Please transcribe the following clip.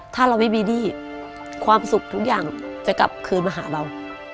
ถ้าเราไม่มีหนี้ความสุขทุกอย่างจะกลับคืนมาหาเรา